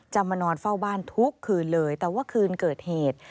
มานอนเฝ้าบ้านทุกคืนเลยแต่ว่าคืนเกิดเหตุ